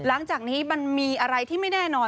หลังจากนี้มันมีอะไรที่ไม่แน่นอน